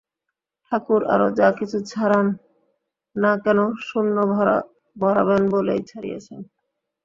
ঠাকুর আরো যা-কিছু ছাড়ান-না কেন, শূন্য ভরাবেন বলেই ছাড়িয়েছেন।